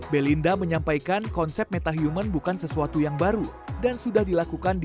belinda menyampaikan konsep metahuman bukan sesuatu yang baru dan sudah dilakukan di